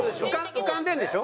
浮かんでるんでしょ？